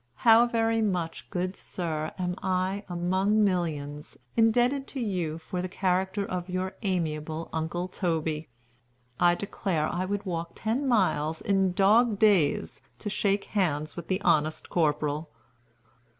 How very much, good sir, am I, among millions, indebted to you for the character of your amiable Uncle Toby! I declare I would walk ten miles, in dog days, to shake hands with the honest Corporal.